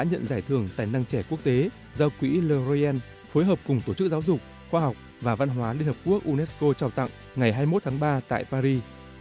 và có thể nhận giải thưởng tài năng trẻ quốc tế do quỹ l orient phối hợp cùng tổ chức giáo dục khoa học và văn hóa liên hợp quốc unesco trào tặng ngày hai mươi một tháng ba tại paris